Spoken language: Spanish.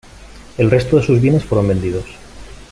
El resto de sus bienes fueron vendidos.